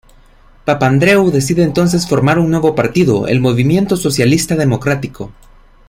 Papandreu decide entonces formar un nuevo partido: El movimiento Socialista Democrático.